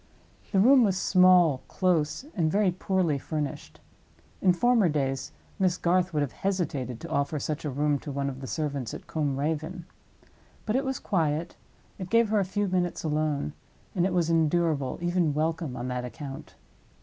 The room was small, close, and very poorly furnished. In former days Miss Garth would have hesitated to offer such a room to one of the servants at Combe Raven. But it was quiet; it gave her a few minutes alone; and it was endurable, even welcome, on that account.